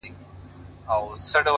o غوږ سه ورته،